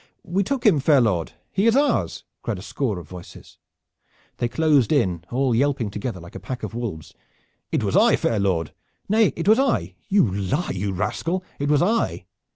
"We took him, fair lord. He is ours!" cried a score of voices. They closed in, all yelping together like a pack of wolves. "It was I, fair lord!" "Nay, it was I!" "You lie, you rascal, it was I!"